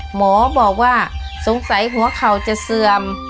หมอบอกว่าสงสัยหัวเข่าจะเสื่อม